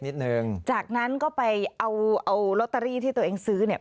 นิดนึงจากนั้นก็ไปเอาเอาที่ตัวเองซื้อเนี่ย